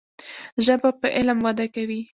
ژبه په علم وده کوي.